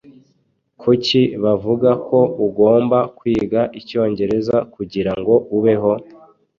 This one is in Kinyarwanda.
Kuki bavuga ko ugomba kwiga icyongereza kugirango ubeho?